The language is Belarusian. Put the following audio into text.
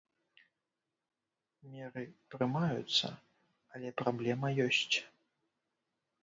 Меры прымаюцца, але праблема ёсць.